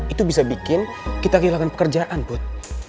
itu bisa bikin kita kehilangan pekerjaan put